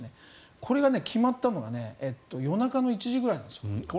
これが決まったのが夜中の１時ぐらいなんです。